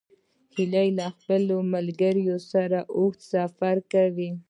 هیلۍ خپل ملګري سره اوږده سفرونه کوي